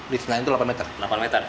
di sana itu delapan meter